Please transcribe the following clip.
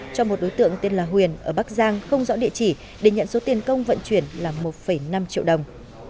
cho một đối tượng tên là huyền ở bắc giang không rõ địa chỉ để nhận số tiền công vận chuyển là một năm triệu đồng